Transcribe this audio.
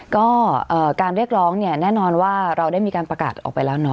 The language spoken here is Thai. ก็การเรียกร้องเนี่ยแน่นอนว่าเราได้มีการประกาศออกไปแล้วเนาะ